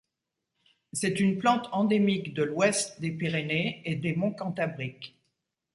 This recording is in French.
C'est une plante endémique de l'ouest des Pyrénées et des Monts Cantabriques.